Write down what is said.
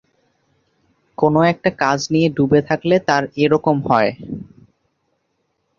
কোনো-একটা কাজ নিয়ে ডুবে থাকলে তাঁর এ-রকম হয়।